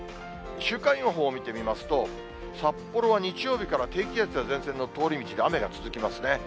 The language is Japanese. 週間予報見てみますと、札幌は日曜日から低気圧や前線の通り道で雨が続きますね。